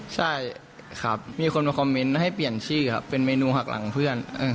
ใช่ครับมีคนมาคอมเมนต์ให้เปลี่ยนชื่อครับเป็นเมนูหักหลังเพื่อน